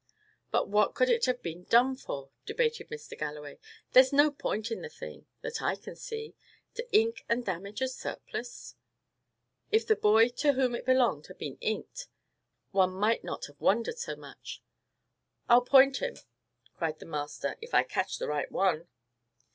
"But what could it have been done for?" debated Mr. Galloway. "There's no point in the thing, that I can see, to ink and damage a surplice. If the boy to whom it belonged had been inked, one might not have wondered so much." "I'll 'point him,'" cried the master, "if I catch the right one."